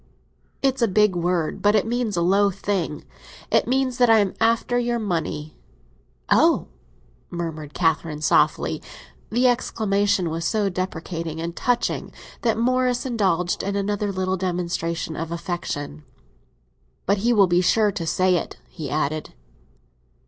"It's a big word; but it means a low thing. It means that I am after your money." "Oh!" murmured Catherine softly. The exclamation was so deprecating and touching that Morris indulged in another little demonstration of affection. "But he will be sure to say it," he added.